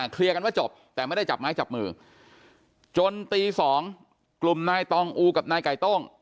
เคลียร์กันว่าจบแต่ไม่ได้จับไม้จับมือจนตี๒กลุ่มนายตองอูกับนายไก่โต้ง